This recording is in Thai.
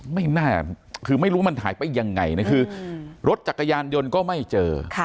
ไม่น่าคือไม่รู้มันหายไปยังไงนะคือรถจักรยานยนต์ก็ไม่เจอ